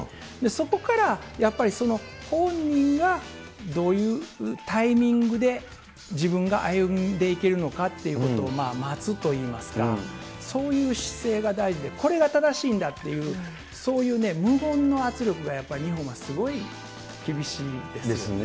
そこからやっぱり、その本人がどういうタイミングで、自分が歩んでいけるのかということを待つといいますか、そういう姿勢が大事で、これが正しいんだっていう、そういうね、無言の圧力がやっぱり日本はすごい厳しいですね。